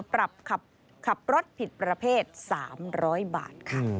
ปรับขับรถผิดประเภท๓๐๐บาทค่ะ